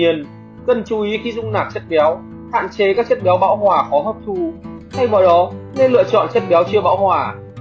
tuy nhiên cần chú ý khi dung nạc chất kéo hạn chế các chất béo bão hòa khó hấp thu thay vào đó nên lựa chọn chất béo chứa bão hòa